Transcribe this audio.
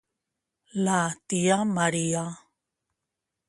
La tia Maria.